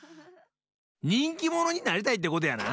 にんきものになりたいってことやな？